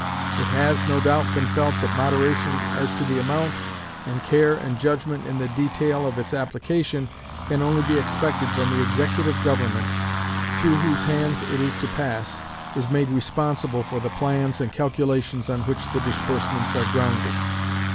It has, no doubt, been felt that moderation as to the amount, and care and judgment in the detail of its application, can only be expected when the executive government, through whose hands it is to pass, is made responsible for the plans and calculations on which the disbursements are grounded.